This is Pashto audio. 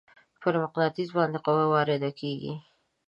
پر مقناطیس باندې قوه وارد کیږي.